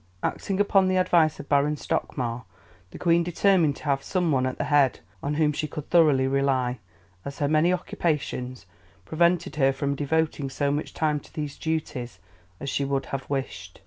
Acting upon the advice of Baron Stockmar, the Queen determined to have some one at the head on whom she could thoroughly rely, as her many occupations prevented her from devoting so much time to these duties as she could have wished.